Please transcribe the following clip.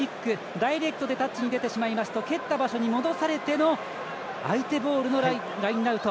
ダイレクトでタッチに出てしまいますと蹴った場所に戻されての相手ボールのラインアウト。